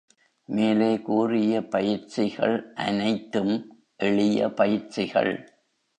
மேலே கூறிய பயிற்சிகள் அனைத்தும் எளிய பயிற்சிகள்.